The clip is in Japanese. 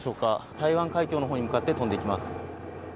台湾海峡の方に向かって飛んでいきます。